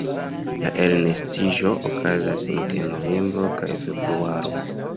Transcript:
La elnestiĝo okazas inter novembro kaj februaro.